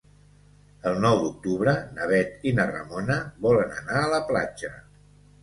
El nou d'octubre na Bet i na Ramona volen anar a la platja.